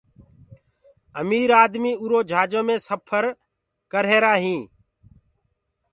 امير آدمي اُرآ جھآجو مي سڦر ڪرآ هينٚ۔